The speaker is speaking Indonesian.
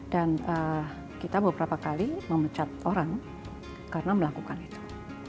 kita beberapa kali memecat orang karena melakukan itu